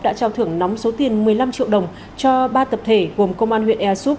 đã trao thưởng nóng số tiền một mươi năm triệu đồng cho ba tập thể gồm công an huyện ea súp